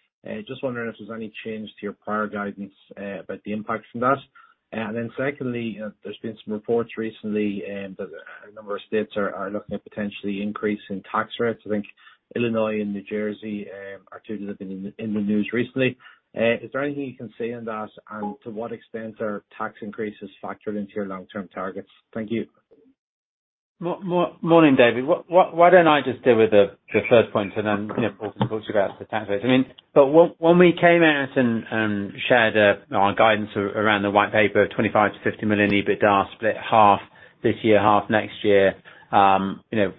Speaker 12: just wondering if there's any change to your prior guidance about the impacts from that? And then secondly, there's been some reports recently that a number of states are looking at potentially increasing tax rates. I think Illinois and New Jersey are two that have been in the news recently. Is there anything you can say on that, and to what extent are tax increases factored into your long-term targets? Thank you.
Speaker 3: Morning, David. Why don't I just deal with the first point, and then, you know, Paul can talk to you about the tax rates. I mean, but when we came out and shared our guidance around the White Paper, 25 million-50 million EBITDA split, half this year, half next year, you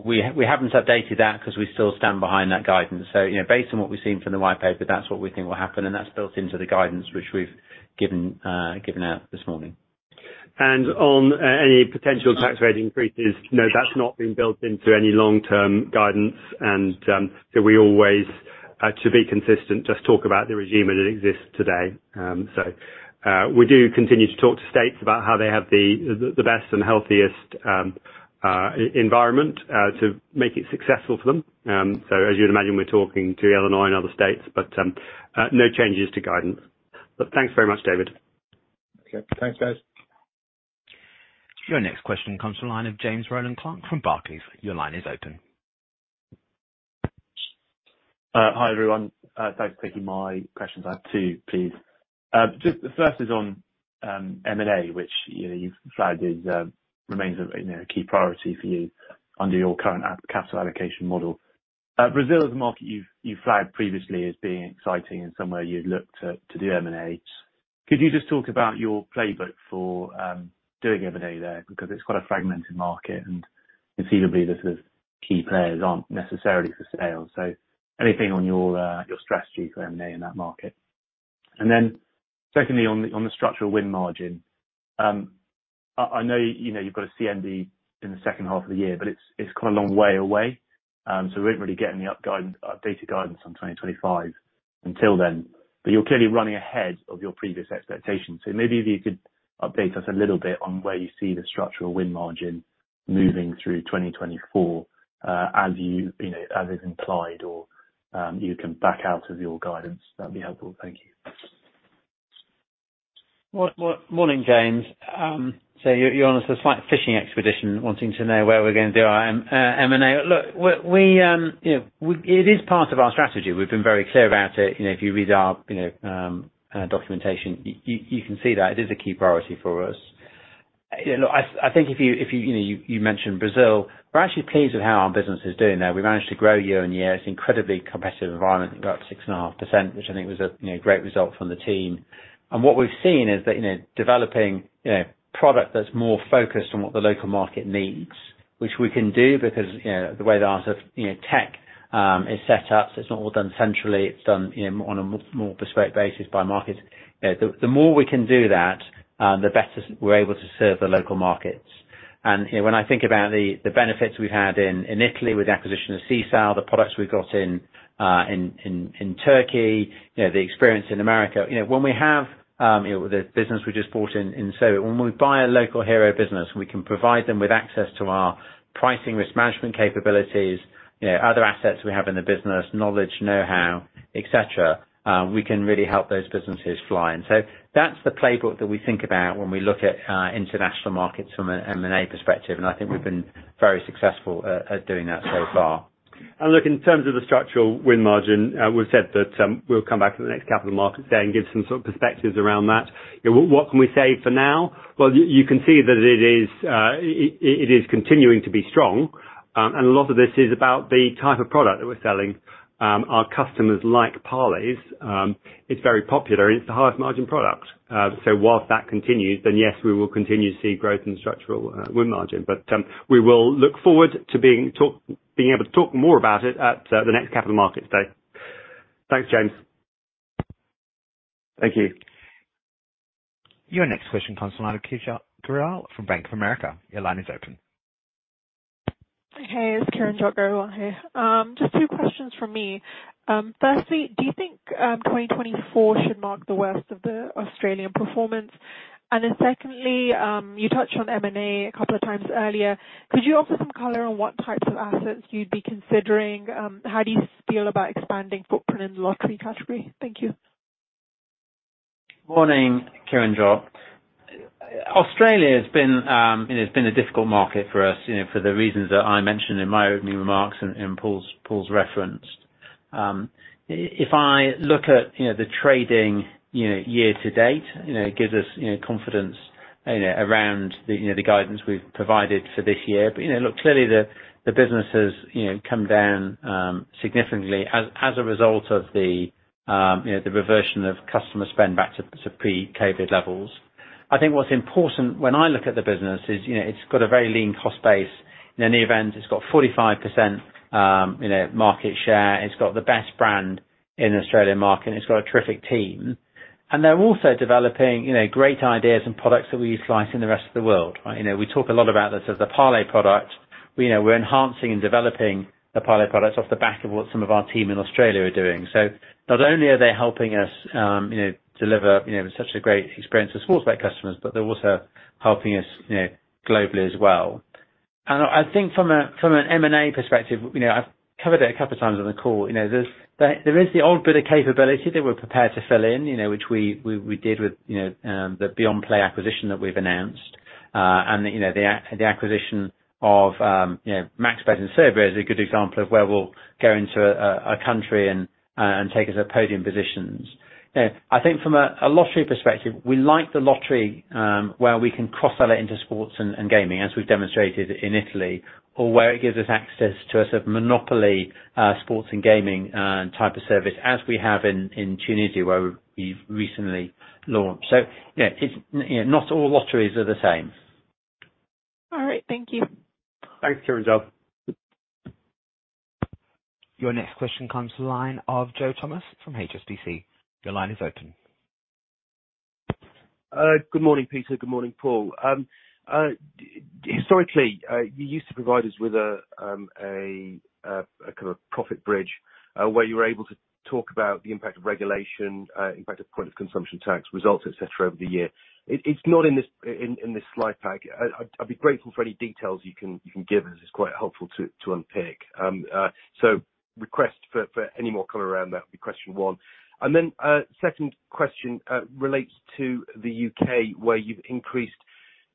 Speaker 3: know—we haven't updated that because we still stand behind that guidance. So, you know, based on what we've seen from the White Paper, that's what we think will happen, and that's built into the guidance which we've given out this morning. And on any potential tax rate increases, no, that's not been built into any long-term guidance, and so we always, to be consistent, just talk about the regime as it exists today. So, we do continue to talk to states about how they have the best and healthiest environment to make it successful for them. So as you would imagine, we're talking to Illinois and other states, but no changes to guidance. But thanks very much, David.
Speaker 12: Okay. Thanks, guys.
Speaker 1: Your next question comes from the line of James Rowland Clark from Barclays. Your line is open.
Speaker 13: Hi, everyone. Thanks for taking my questions. I have two, please. Just the first is on M&A, which, you know, you've flagged it remains a key priority for you under your current capital allocation model. Brazil is a market you've flagged previously as being exciting and somewhere you'd look to do M&A. Could you just talk about your playbook for doing M&A there? Because it's quite a fragmented market, and conceivably, the sort of key players aren't necessarily for sale. So anything on your strategy for M&A in that market? And then secondly, on the structural win margin. I know, you know, you've got a CMD in the second half of the year, but it's quite a long way away. So we weren't really getting the updated guidance on 2025 until then. But you're clearly running ahead of your previous expectations. So maybe if you could update us a little bit on where you see the structural win margin moving through 2024, as you, you know, as is implied or, you can back out of your guidance, that'd be helpful. Thank you.
Speaker 3: Well, morning, James. So you're on a slight fishing expedition, wanting to know where we're going to do our M&A. Look, it is part of our strategy. We've been very clear about it. You know, if you read our, you know, documentation, you can see that. It is a key priority for us. You know, I think if you mentioned Brazil. We're actually pleased with how our business is doing there. We managed to grow year-over-year. It's an incredibly competitive environment, about 6.5%, which I think was a great result from the team. And what we've seen is that, you know, developing, you know, product that's more focused on what the local market needs, which we can do because, you know, the way our, you know, tech, is set up, so it's not all done centrally. It's done, you know, on a more bespoke basis by market. The more we can do that, the better we're able to serve the local markets. And, you know, when I think about the, the benefits we've had in, in Italy with the acquisition of Sisal, the products we've got in, in, in Turkey, you know, the experience in America, you know, when we have, you know, the business we just bought in, in Sweden. So when we buy a local hero business, we can provide them with access to our pricing, risk management capabilities, you know, other assets we have in the business, knowledge, know-how, et cetera, we can really help those businesses fly. And so that's the playbook that we think about when we look at international markets from an M&A perspective, and I think we've been very successful at doing that so far. And look, in terms of the structural win margin, we've said that we'll come back to the next capital markets day and give some sort of perspectives around that. You know, what can we say for now? Well, you can see that it is continuing to be strong, and a lot of this is about the type of product that we're selling. Our customers like parlays. It's very popular, and it's the highest margin product. So while that continues, then yes, we will continue to see growth in the structural win margin, but we will look forward to being able to talk more about it at the next Capital Markets Day. Thanks, James.
Speaker 13: Thank you.
Speaker 1: Your next question comes from Kiranjit Kaur from Bank of America. Your line is open.
Speaker 14: Hey, it's Kiranjit Kaur here. Just two questions from me. Firstly, do you think, 2024 should mark the worst of the Australian performance? And then secondly, you touched on M&A a couple of times earlier. Could you offer some color on what types of assets you'd be considering? How do you feel about expanding footprint in the lottery category? Thank you.
Speaker 3: Morning, Kiranjit Kaur. Australia has been, it's been a difficult market for us, you know, for the reasons that I mentioned in my opening remarks and, and Paul's, Paul's reference. If I look at, you know, the trading, you know, year to date, you know, it gives us, you know, confidence, you know, around the, you know, the guidance we've provided for this year. But, you know, look, clearly the, the business has, you know, come down significantly as, as a result of the, you know, the reversion of customer spend back to, to pre-COVID levels. I think what's important when I look at the business is, you know, it's got a very lean cost base. In any event, it's got 45%, you know, market share, it's got the best brand in the Australian market, and it's got a terrific team. They're also developing, you know, great ideas and products that we slice in the rest of the world, right? You know, we talk a lot about this as the parlay product. We know we're enhancing and developing the parlay products off the back of what some of our team in Australia are doing. So not only are they helping us, you know, deliver, you know, such a great experience for sports bet customers, but they're also helping us, you know, globally as well. And I think from an M&A perspective, you know, I've covered it a couple of times on the call, you know, there's a whole bit of capability that we're prepared to fill in, you know, which we did with, you know, the BeyondPlay acquisition that we've announced. And, you know, the acquisition of, you know, MaxBet in Serbia is a good example of where we'll go into a country and take a podium position. I think from a lottery perspective, we like the lottery, where we can cross-sell it into sports and gaming, as we've demonstrated in Italy, or where it gives us access to a sort of monopoly sports and gaming type of service, as we have in Tunisia, where we've recently launched. So, you know, it's, you know, not all lotteries are the same.
Speaker 14: All right, thank you.
Speaker 3: Thanks, Kiranjit Kaur....
Speaker 1: Your next question comes to the line of Joe Thomas from HSBC. Your line is open.
Speaker 15: Good morning, Peter. Good morning, Paul. Historically, you used to provide us with a kind of profit bridge, where you were able to talk about the impact of regulation, impact of product consumption, tax results, et cetera, over the year. It's not in this slide pack. I'd be grateful for any details you can give us. It's quite helpful to unpick. So request for any more color around that would be question one. And then, second question, relates to the U.K., where you've increased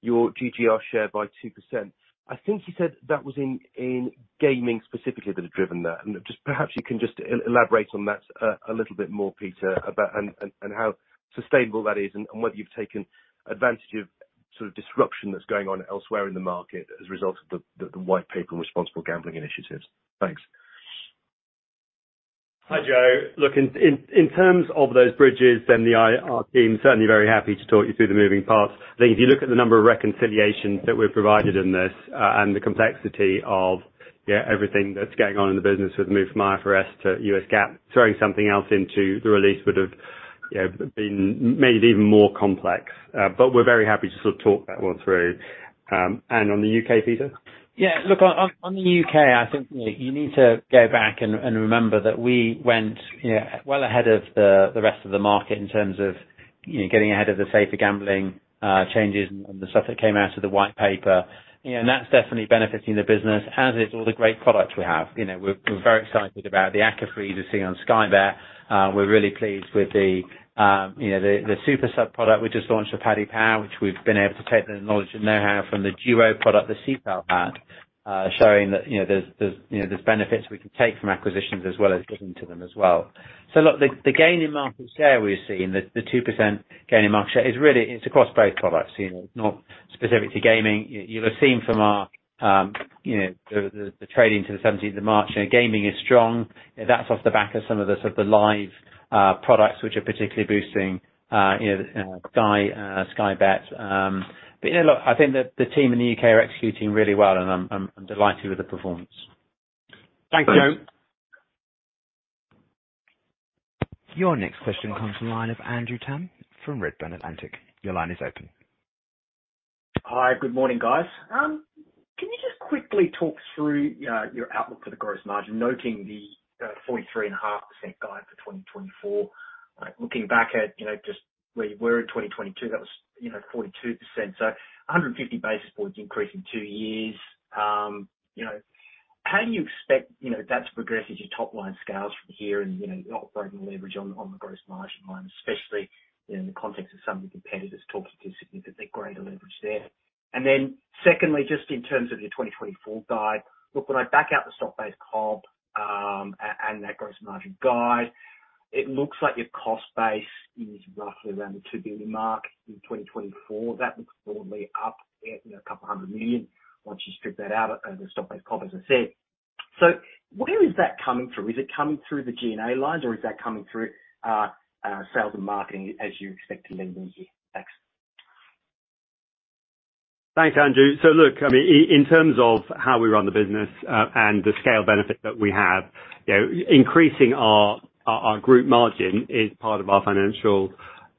Speaker 15: your GGR share by 2%. I think you said that was in gaming specifically, that had driven that. Just perhaps you can just elaborate on that a little bit more, Peter, about how sustainable that is, and whether you've taken advantage of sort of disruption that's going on elsewhere in the market as a result of the White Paper and responsible gambling initiatives. Thanks.
Speaker 4: Hi, Joe. Look, in terms of those bridges, then the IR team is certainly very happy to talk you through the moving parts. I think if you look at the number of reconciliations that we've provided in this, and the complexity of everything that's going on in the business with move from IFRS to US GAAP, throwing something else into the release would have, you know, been made even more complex. But we're very happy to sort of talk that one through. And on the U.K., Peter?
Speaker 3: Yeah, look, on the U.K., I think you need to go back and remember that we went, yeah, well ahead of the rest of the market in terms of, you know, getting ahead of the safer gambling changes and the stuff that came out of the White Paper. You know, and that's definitely benefiting the business, as is all the great products we have. You know, we're very excited about the acquisition you're seeing on Sky Bet. We're really pleased with the Super Sub product we just launched with Paddy Power, which we've been able to take the knowledge and know-how from the Duo product that Sisal had, showing that, you know, there's benefits we can take from acquisitions as well as getting to them as well. So look, the gain in market share we've seen, the 2% gain in market share, is really, it's across both products, you know, not specific to gaming. You'll have seen from our, you know, the trading to the seventeenth of March, you know, gaming is strong. That's off the back of some of the sort of live products which are particularly boosting, you know, Sky Bet. But, you know, look, I think that the team in the U.K. are executing really well, and I'm delighted with the performance.
Speaker 15: Thank you.
Speaker 1: Your next question comes from the line of Andrew Tam from Redburn Atlantic. Your line is open.
Speaker 16: Hi, good morning, guys. Can you just quickly talk through your outlook for the gross margin, noting the 43.5% guide for 2024? Looking back at, you know, just where you were in 2022, that was, you know, 42%, so 150 basis points increase in two years. You know, how do you expect, you know, that to progress as your top line scales from here and, you know, operating leverage on the gross margin line, especially in the context of some of your competitors talking to significantly greater leverage there? And then secondly, just in terms of your 2024 guide, look, when I back out the stock-based comp and that gross margin guide, it looks like your cost base is roughly around the $2 billion mark in 2024. That looks broadly up in $200 million once you strip that out of the stock-based comp, as I said. So where is that coming through? Is it coming through the G&A lines, or is that coming through sales and marketing as you expect to lean into? Thanks.
Speaker 4: Thanks, Andrew. So look, I mean, in terms of how we run the business, and the scale benefit that we have, you know, increasing our, our, our group margin is part of our financial,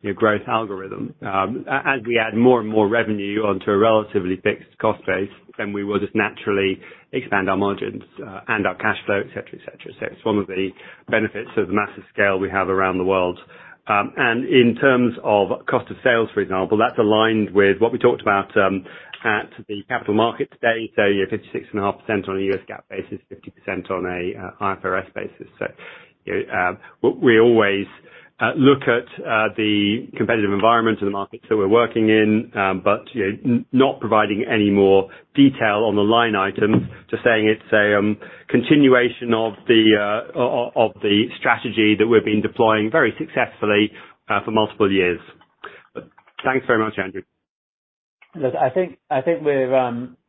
Speaker 4: you know, growth algorithm. As we add more and more revenue onto a relatively fixed cost base, then we will just naturally expand our margins, and our cash flow, et cetera, et cetera. So it's one of the benefits of the massive scale we have around the world. And in terms of cost of sales, for example, that's aligned with what we talked about, at the Capital Markets Day. So you have 56.5% on a U.S. GAAP basis, 50% on a IFRS basis. So, you know, we always look at the competitive environment and the markets that we're working in, but, you know, not providing any more detail on the line items, just saying it's a continuation of the strategy that we've been deploying very successfully for multiple years. Thanks very much, Andrew.
Speaker 3: Look, I think, I think we're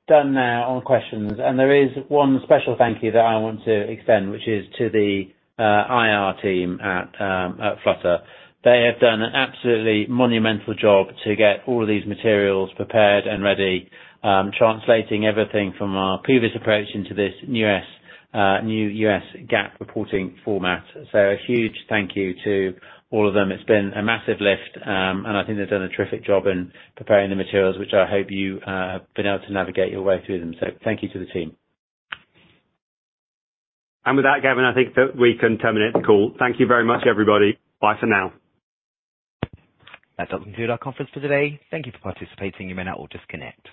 Speaker 3: done now on questions, and there is one special thank you that I want to extend, which is to the IR team at Flutter. They have done an absolutely monumental job to get all of these materials prepared and ready, translating everything from our previous approach into this new US GAAP reporting format. So a huge thank you to all of them. It's been a massive lift, and I think they've done a terrific job in preparing the materials, which I hope you have been able to navigate your way through them. So thank you to the team.
Speaker 4: With that, Gavin, I think that we can terminate the call. Thank you very much, everybody. Bye for now.
Speaker 1: That concludes our conference for today. Thank you for participating. You may now all disconnect.